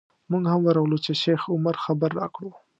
موږ هم ورغلو چې شیخ عمر خبر راکړو.